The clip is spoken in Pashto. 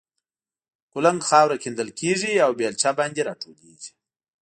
کولنګ خاوره کیندل کېږي او بېلچه باندې را ټولېږي.